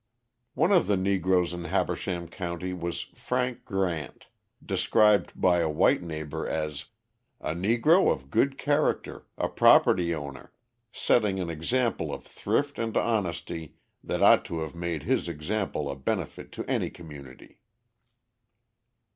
One of the Negroes of Habersham County was Frank Grant, described by a white neighbour as "a Negro of good character, a property owner, setting an example of thrift and honesty that ought to have made his example a benefit to any community."